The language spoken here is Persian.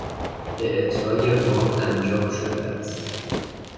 اعطای وام انجام شده است.